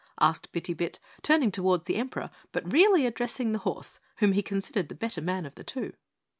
asked Bitty Bit, turning toward the Emperor, but really addressing the horse, whom he considered the better man of the two.